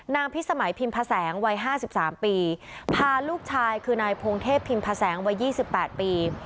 นางพิษสมัยพิมพาแสงวัยห้าสิบสามปีพาลูกชายคือนายพรงเทพพิมพาแสงวัยยี่สิบแปดปี